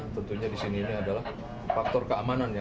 tentunya di sini ini adalah faktor keamanan ya